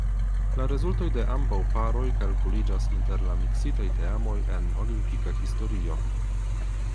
La rezultoj de ambaŭ paroj kalkuliĝas inter la miksitaj teamoj en olimpika historio.